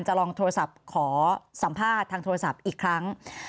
ลองโทรศัพท์ขอสัมภาษณ์ทางโทรศัพท์อีกครั้ง